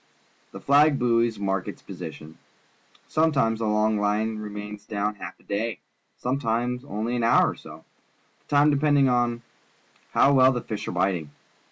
The flag buoys mark its position. Sometimes the long line remains down half a day, sometimes onh' an hour or so, the time depending upon how well the fish are biting.